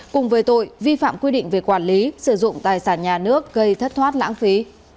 cùng với tội vi phạm quy định về quản lý sử dụng tài sản nhà nước gây thất thoát lãng phí